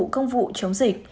công vụ chống dịch